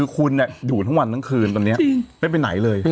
คุณอยู่ทั้งวันทั้งคืนตอนนี้ไม่ไปไหนเลย